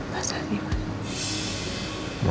masa sih mas